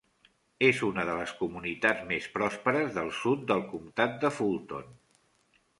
És una de les comunitats més pròsperes del sud del comtat de Fulton.